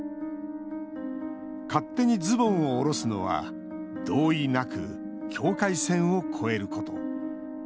勝手にズボンを下ろすのは同意なく境界線を越えること。